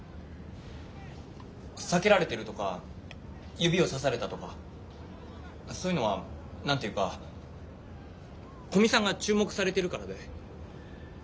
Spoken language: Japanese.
避けられてるとか指をさされたとかそういうのは何て言うか古見さんが注目されてるからで。